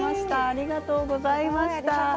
ありがとうございます。